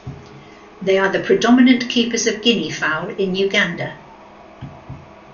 They are the predominant keepers of guinea fowl in Uganda.